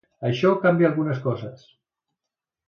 Això canvia algunes coses.